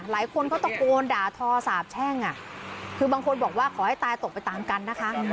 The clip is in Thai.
หลายคนก็ตะโกนด่าทอสาบแช่งคือบางคนบอกว่าขอให้ตายตกไปตามกันนะคะ